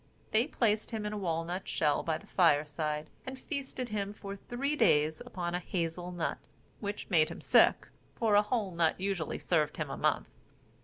They placed him in a walnut shell by the fire side, and feasted him for three days upon a hazel nut, which made him sick, for a whole nut usually served him a month.